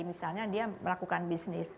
misalnya dia melakukan bisnis